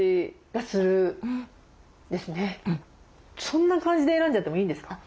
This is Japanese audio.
そんな感じで選んじゃってもいいんですか？